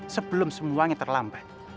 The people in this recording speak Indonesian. sebelum semuanya terlambat